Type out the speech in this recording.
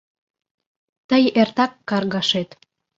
Тый эртак каргашет...